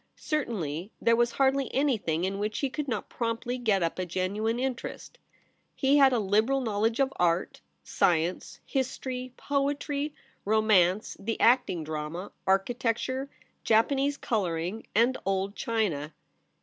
Cer tainly there was hardly anything in which he could not promptly get up a genuine interest. He had a liberal knowledge of art, science, history, poetry, romance, the acting drama, architecture, Japanese colouring, and old china.